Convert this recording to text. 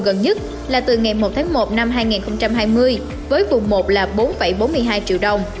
tiền lương tối thiểu vùng gần nhất là từ ngày một một hai nghìn hai mươi với vùng một là bốn bốn mươi hai triệu đồng